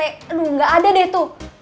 aduh gak ada deh tuh